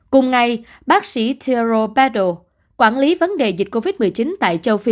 cùng ngày bác sĩ thierry perrault quản lý vấn đề dịch covid một mươi chín tại châu phi